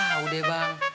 gak tau deh bang